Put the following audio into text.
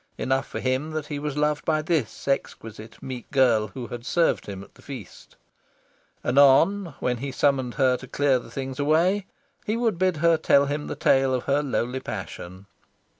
Enough for him that he was loved by this exquisite meek girl who had served him at the feast. Anon, when he summoned her to clear the things away, he would bid her tell him the tale of her lowly passion.